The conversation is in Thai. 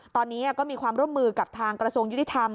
ตอนนี้ก็มีความร่วมมือกับทางกระทรวงยุติธรรม